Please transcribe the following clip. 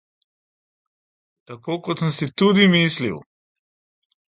Tako kot sem si tudi mislil!